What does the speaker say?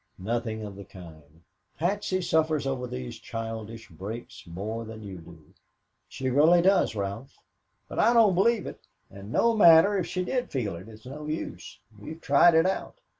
"Nothing of the kind. Patsy suffers over these childish breaks more than you do. She really does, Ralph." "But I don't believe it. And no matter if she did feel it, it's no use. We've tried it out."